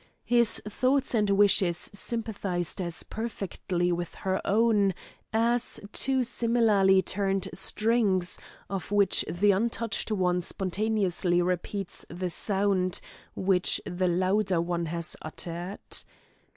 His thoughts and wishes sympathised as perfectly with her own, as two similarly tuned strings, of which the untouched one spontaneously repeats the sound, which the louder one has uttered.